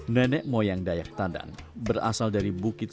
nenek moyang daya tadan berasal dari bukit